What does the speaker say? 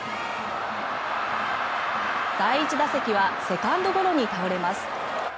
第１打席はセカンドゴロに倒れます。